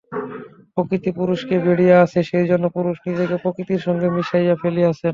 প্রকৃতি পুরুষকে বেড়িয়া আছে, সেইজন্য পুরুষ নিজেকে প্রকৃতির সঙ্গে মিশাইয়া ফেলিয়াছেন।